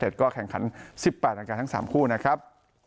ก็แข่งขัน๑๘รายการทั้ง๓คู่นะครับ